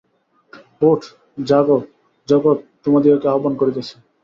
উঠ, জাগ, জগৎ তোমাদিগকে আহ্বান করিতেছে।